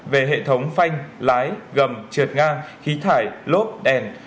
về hệ thống phanh lái gầm trượt ngang khí thải lốp đèn